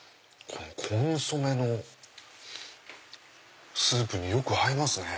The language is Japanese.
コンソメのスープによく合いますね。